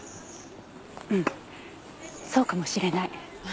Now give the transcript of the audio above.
うんそうかもしれない。